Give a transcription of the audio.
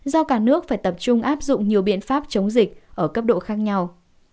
do cả nước phải tập trung áp dụng nhiều biện pháp chống dịch ở cấp độ khác nhau